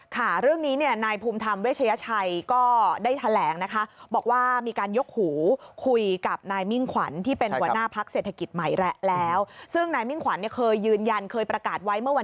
ค่ะเรื่องนี้นายภูมิธรรมเวชยชัยก็ได้แถลงนะคะ